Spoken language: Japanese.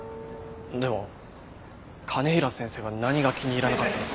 でも兼平先生は何が気に入らなかったのか。